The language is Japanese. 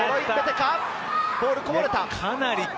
ボールがこぼれた。